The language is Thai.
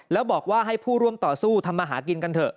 แล้วบอกว่าให้ผู้ร่วมต่อสู้ทำมาหากินกันเถอะ